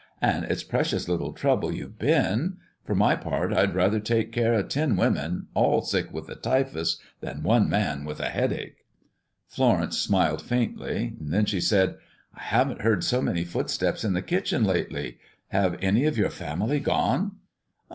An' it's precious little trouble you've been. For my part I'd rather take care o' ten women, all sick with the typhus, than one man with a headache." Florence smiled faintly. Then she said, "I haven't heard so many footsteps in the kitchen lately. Have any of your family gone?"